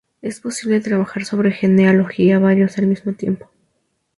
Es posible trabajar sobre genealogía varios al mismo tiempo.